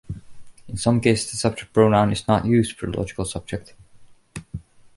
In some cases, the subject pronoun is not used for the logical subject.